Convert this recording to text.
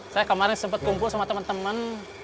saya kemarin sempet kumpul sama temen temen